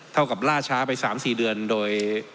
กับล่าช้าไป๓๔เดือนโดย